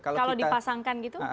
kalau dipasangkan gitu